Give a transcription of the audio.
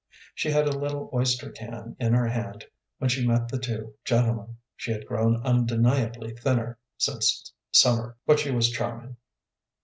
She had a little oyster can in her hand when she met the two gentlemen. She had grown undeniably thinner since summer, but she was charming.